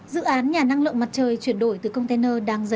dự án nhà container này vừa có thể tránh đau